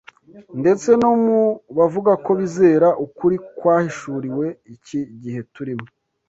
Ndetse no mu bavuga ko bizera ukuri kwahishuriwe iki gihe turimo,